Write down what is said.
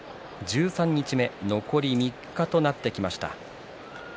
十三日目、残り３日となってきました。